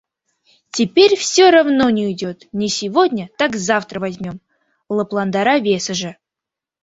— Теперь все равно не уйдёт: не сегодня, так завтра возьмём, — лыпландара весыже.